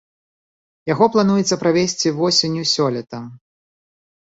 Яго плануецца правесці восенню сёлета.